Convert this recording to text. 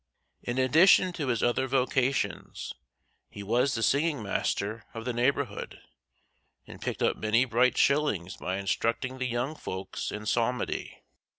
In addition to his other vocations, he was the singing master of the neighborhood and picked up many bright shillings by instructing the young folks in psalmody.